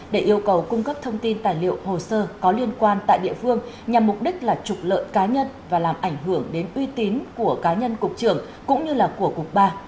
để yêu cầu cung cấp thông tin tài liệu hồ sơ có liên quan tại địa phương nhằm mục đích là trục lợi cá nhân và làm ảnh hưởng đến uy tín của cá nhân cục trưởng cũng như của cục ba